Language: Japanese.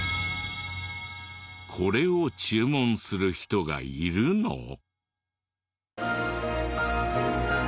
これを注文する人がいるの？